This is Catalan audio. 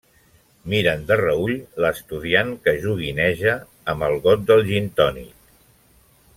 Miren de reüll l'estudiant que joguineja amb el got del gintònic.